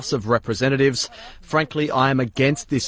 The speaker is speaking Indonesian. saya benar benar menentukan undang undang ini